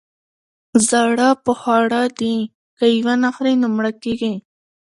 ـ زاړه په خواړه دي، که يې ونخوري نو مړه دي.